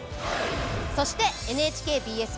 そしてＮＨＫＢＳ